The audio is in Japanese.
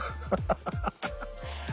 ハハハッ。